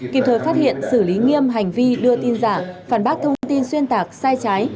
kịp thời phát hiện xử lý nghiêm hành vi đưa tin giả phản bác thông tin xuyên tạc sai trái